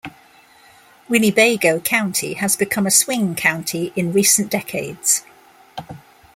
Winnebago County has become a swing county in recent decades.